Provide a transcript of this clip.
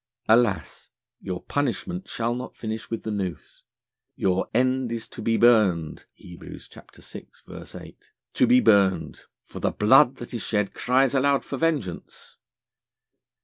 Alas! your Punishment shall not finish with the Noose. Your "end is to be burned" (Heb. vi. 8), to be burned, for the Blood that is shed cries aloud for Vengeance.'